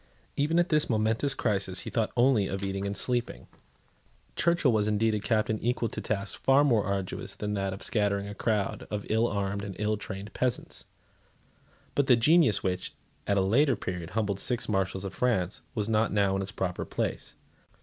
Even at this momentous crisis he thought only of eating and sleeping. Churchill was indeed a captain equal to tasks far more arduous than that of scattering a crowd of ill armed and ill trained peasants. But the genius, which, at a later period, humbled six Marshals of France, was not now in its proper place.